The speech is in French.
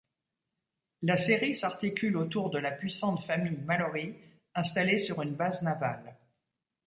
La série s'articule autour de la puissante famille Mallory, installée sur une base navale.